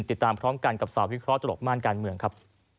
ติดตามพร้อมกันกับสาววิเคราะหลบม่านการเมืองครับ